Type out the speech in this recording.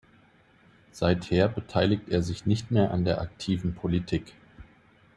Seither beteiligt er sich nicht mehr an der aktiven Politik.